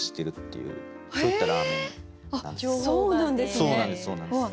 そうなんですね。